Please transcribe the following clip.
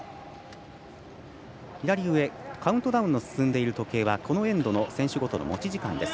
左上、カウントダウンが進んでいる時計はこのエンドの選手ごとの持ち時間です。